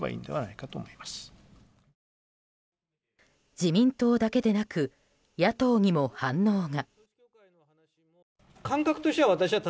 自民党だけでなく野党にも反応が。